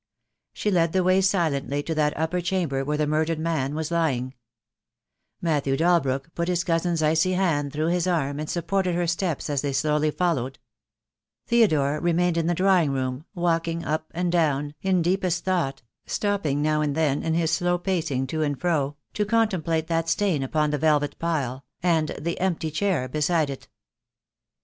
She led the way silently to that upper chamber where the murdered man was lying. Matthew Dalbrook put THE DAY WILL COME. ()$ his cousin's icy hand through his arm and supported her steps as they slowly followed. Theodore remained in the drawing room, walking up and down, in deepest thought, stopping now and then in his slow pacing to and fro to contemplate that stain upon the velvet pile, and the empty chair beside it.